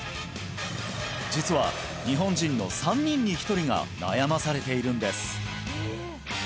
実は日本人の３人に１人が悩まされているんです